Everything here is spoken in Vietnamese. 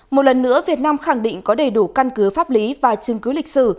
một lần nữa việt nam khẳng định có đầy đủ căn cứ pháp lý và chứng cứ lịch sử